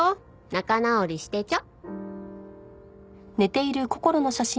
「仲直りして血ょ」